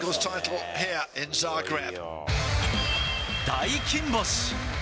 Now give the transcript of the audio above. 大金星。